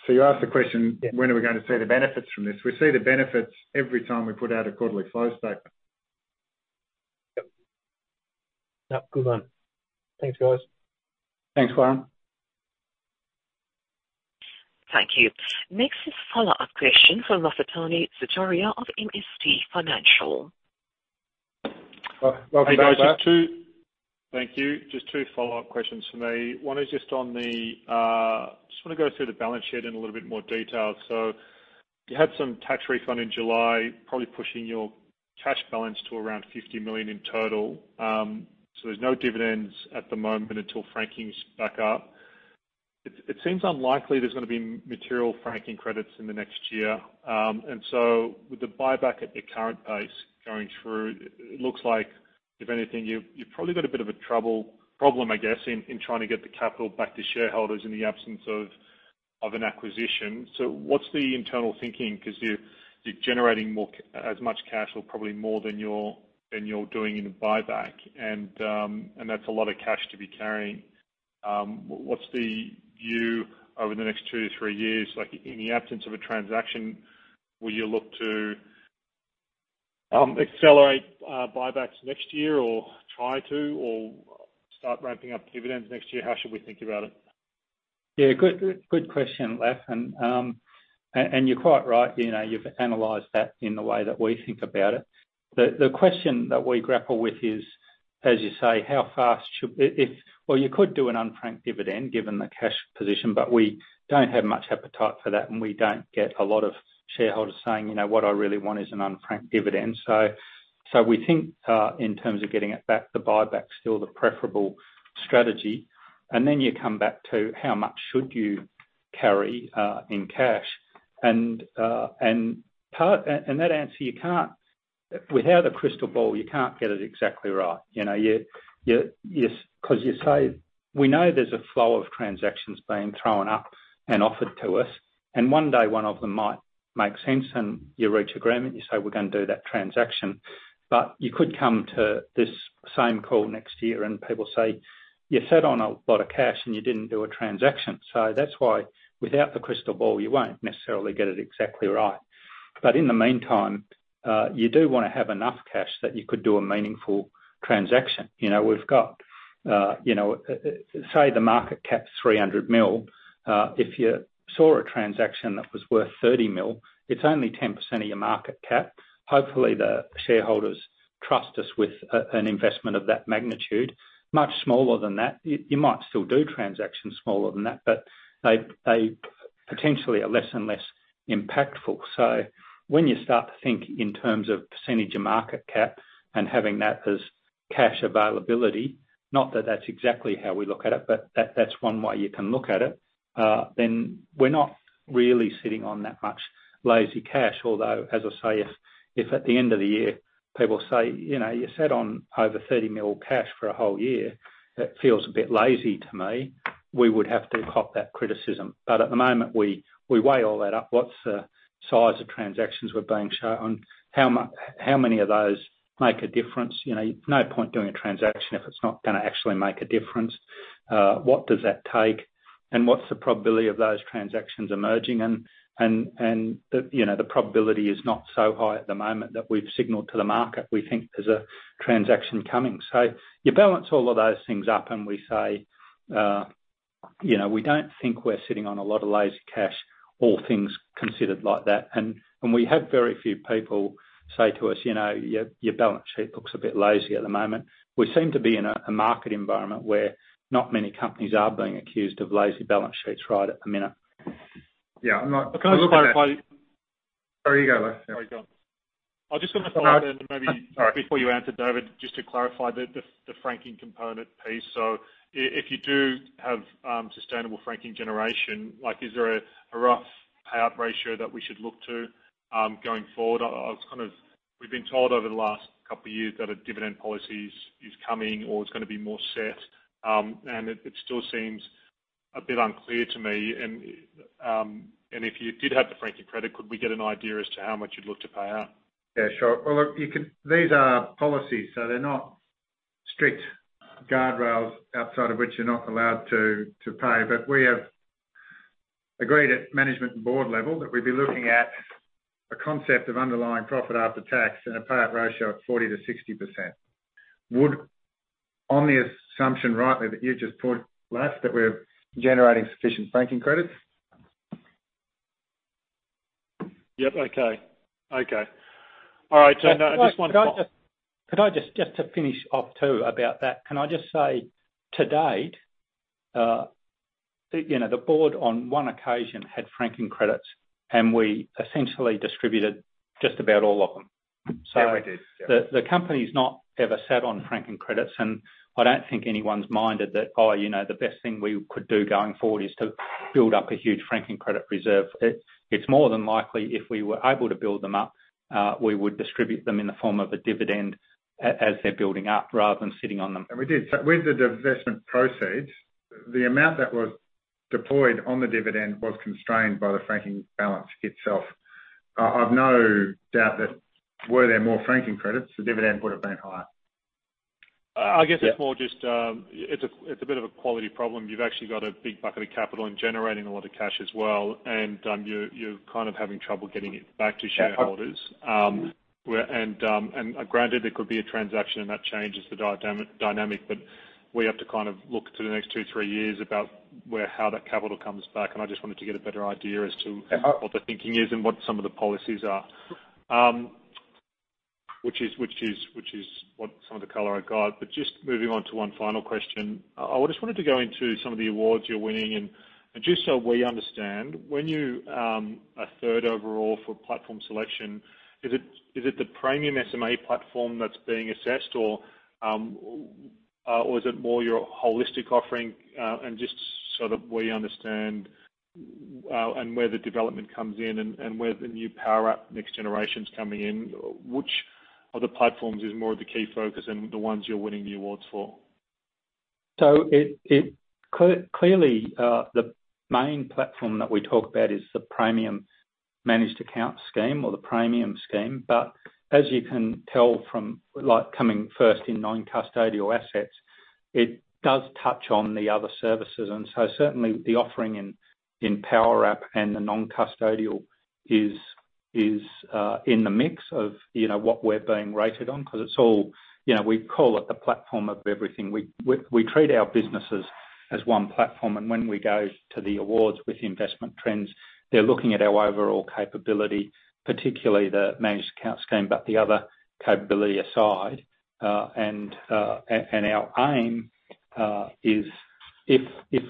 So you ask the question: When are we going to see the benefits from this? We see the benefits every time we put out a quarterly flow statement. Yep. Yep. Good one. Thanks, guys. Thanks, Warren. Thank you. Next is a follow-up question from Lachlan Sartori of MST Financial. Welcome back, Laf. Thank you. Just two follow-up questions from me. One is just on the. Just wanna go through the balance sheet in a little bit more detail. So you had some tax refund in July, probably pushing your cash balance to around 50 million in total. So there's no dividends at the moment until franking's back up. It seems unlikely there's gonna be material franking credits in the next year. And so with the buyback at the current pace going through, it looks like, if anything, you've probably got a bit of a trouble, problem, I guess, in trying to get the capital back to shareholders in the absence of an acquisition. So what's the internal thinking? 'Cause you're generating more cash or probably more than you're doing in a buyback, and that's a lot of cash to be carrying. What's the view over the next two to three years? Like, in the absence of a transaction, will you look to accelerate buybacks next year, or try to, or start ramping up dividends next year? How should we think about it? Yeah, good, good question, Las. And you're quite right, you know, you've analyzed that in the way that we think about it. The question that we grapple with is, as you say, how fast should... If, well, you could do an unfranked dividend, given the cash position, but we don't have much appetite for that, and we don't get a lot of shareholders saying, "You know, what I really want is an unfranked dividend." So we think, in terms of getting it back, the buyback's still the preferable strategy. And then you come back to how much should you carry in cash? And that answer, you can't, without a crystal ball, you can't get it exactly right. You know, you-- 'cause you say, we know there's a flow of transactions being thrown up and offered to us, and one day one of them might make sense, and you reach agreement, you say, "We're gonna do that transaction." But you could come to this same call next year, and people say, "You sat on a lot of cash, and you didn't do a transaction." So that's why, without the crystal ball, you won't necessarily get it exactly right. But in the meantime, you do wanna have enough cash that you could do a meaningful transaction. You know, we've got, you know, say, the market cap's 300 million. If you saw a transaction that was worth 30 million, it's only 10% of your market cap. Hopefully, the shareholders trust us with a, an investment of that magnitude. Much smaller than that, you might still do transactions smaller than that, but they, they potentially are less and less impactful. So when you start to think in terms of percentage of market cap and having that as cash availability, not that that's exactly how we look at it, but that, that's one way you can look at it, then we're not really sitting on that much lazy cash. Although, as I say, if at the end of the year, people say, "You know, you sat on over 30 million cash for a whole year, that feels a bit lazy to me," we would have to cop that criticism. But at the moment, we weigh all that up. What's the size of transactions we're being shown? How many of those make a difference? You know, no point doing a transaction if it's not gonna actually make a difference. What does that take? And what's the probability of those transactions emerging? And the probability is not so high at the moment that we've signaled to the market, we think there's a transaction coming. So you balance all of those things up, and we say, "You know, we don't think we're sitting on a lot of lazy cash, all things considered like that." And we have very few people say to us, "You know, your balance sheet looks a bit lazy at the moment." We seem to be in a market environment where not many companies are being accused of lazy balance sheets right at the minute. Yeah, I'm not- Can I just clarify? Sorry, you go, Lachlan. No, you go on. I just wanna follow up, and maybe- Sorry. Before you answer, David, just to clarify the franking component piece. So if you do have sustainable franking generation, like, is there a rough payout ratio that we should look to going forward? I was kind of... We've been told over the last couple of years that a dividend policy is coming or is gonna be more set, and it still seems a bit unclear to me. And if you did have the franking credit, could we get an idea as to how much you'd look to pay out? Yeah, sure. Well, look, you can, these are policies, so they're not strict guardrails outside of which you're not allowed to pay. But we have agreed at management and board level that we'd be looking at a concept of underlying profit after tax and a payout ratio of 40%-60%. Would, on the assumption, rightly, that you just put, Laf, that we're generating sufficient franking credits? Yep. Okay. Okay. All right, and, I just want to- Could I just, just to finish off, too, about that, can I just say, to date, you know, the board, on one occasion, had franking credits, and we essentially distributed just about all of them. So- Yeah, we did. The company's not ever sat on franking credits, and I don't think anyone's minded that, oh, you know, the best thing we could do going forward is to build up a huge franking credit reserve. It's more than likely, if we were able to build them up, we would distribute them in the form of a dividend as they're building up, rather than sitting on them. And we did. So with the divestment proceeds, the amount that was deployed on the dividend was constrained by the franking balance itself. I've no doubt that were there more franking credits, the dividend would've been higher. I guess- Yeah. It's more just, it's a bit of a quality problem. You've actually got a big bucket of capital and generating a lot of cash as well, and, you're kind of having trouble getting it back to shareholders. Yeah, I- and granted, there could be a transaction, and that changes the dynamic, but we have to kind of look to the next 2-3 years about where, how that capital comes back, and I just wanted to get a better idea as to- Yeah, I- what the thinking is and what some of the policies are. which is, which is, which is what some of the color I got. But just moving on to one final question. I just wanted to go into some of the awards you're winning, and, and just so we understand, when you are third overall for platform selection, is it, is it the Praemium SMA platform that's being assessed, or, or is it more your holistic offering? and just so that we understand, and where the development comes in and, and where the new Powerwrap next generation's coming in, which of the platforms is more of the key focus and the ones you're winning the awards for? So, it clearly, the main platform that we talk about is the Praemium managed account scheme or the Praemium scheme. But as you can tell from, like, coming first in non-custodial assets, it does touch on the other services. And so certainly the offering in Powerwrap and the non-custodial is in the mix of, you know, what we're being rated on, 'cause it's all... You know, we call it the platform of everything. We treat our businesses as one platform, and when we go to the awards with Investment Trends, they're looking at our overall capability, particularly the managed account scheme, but the other capability aside. And our aim is if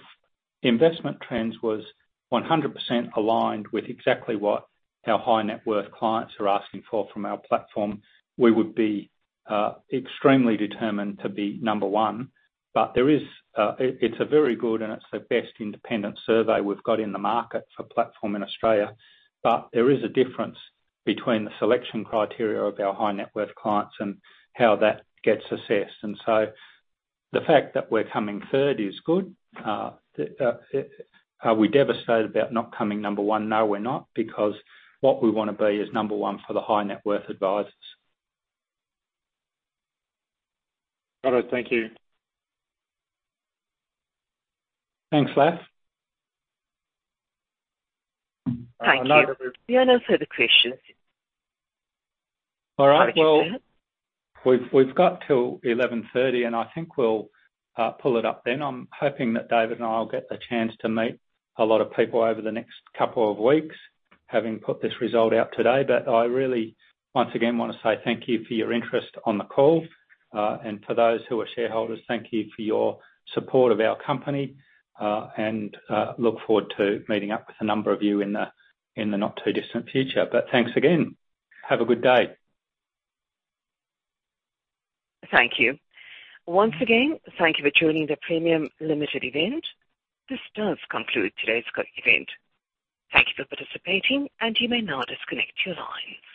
Investment Trends was 100% aligned with exactly what our high net worth clients are asking for from our platform, we would be extremely determined to be number one. But there is, it's a very good, and it's the best independent survey we've got in the market for platform in Australia, but there is a difference between the selection criteria of our high net worth clients and how that gets assessed. And so the fact that we're coming third is good. Are we devastated about not coming number one? No, we're not, because what we wanna be is number one for the high net worth advisors. Righto. Thank you. Thanks, Laf. I know that we've- Thank you. There are no further questions. All right. Sorry about that. Well, we've got till 11:30 A.M., and I think we'll pull it up then. I'm hoping that David and I will get the chance to meet a lot of people over the next couple of weeks, having put this result out today. But I really, once again, wanna say thank you for your interest on the call. And for those who are shareholders, thank you for your support of our company, and look forward to meeting up with a number of you in the not-too-distant future. But thanks again. Have a good day. Thank you. Once again, thank you for joining the Praemium Limited event. This does conclude today's call event. Thank you for participating, and you may now disconnect your lines.